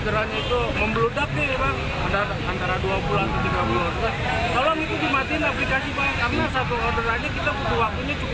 dari penumpangnya mungkin tapi nggak bisa